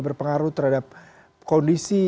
berpengaruh terhadap kondisi